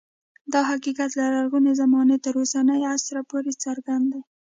دا حقیقت له لرغونې زمانې تر اوسني عصر پورې څرګند دی